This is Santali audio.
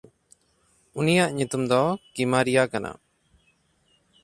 ᱩᱱᱤᱭᱟᱜ ᱧᱩᱛᱩᱢ ᱫᱚ ᱠᱤᱢᱟᱨᱤᱭᱟ ᱠᱟᱱᱟ᱾